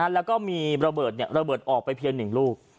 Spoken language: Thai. แล้วก็มีระเบิดระเบิดออกไปเพียง๑ลูก